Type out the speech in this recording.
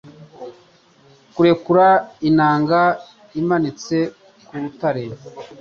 kurekura inanga imanitse ku rutare